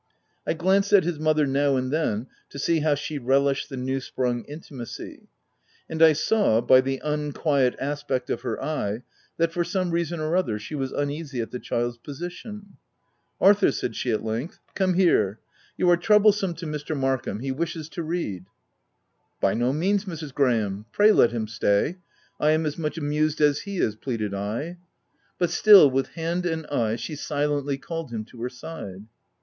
I glanced at his mother now and then, to see how she relished the new sprung intimacy ; and I saw, by the unquiet aspect of her eye, that for some reason or other, she was uneasy at the child's position. " Arthur/' said she, at length, " come here. You are troublesome to Mr. Markham : he wishes to read/' " By no means, Mrs. Graham ; pray let him stay. I am as much amused as he is," pleaded OF WILDFELL HALL. 47 I. But still, with hand and eye, she silently called him to her side.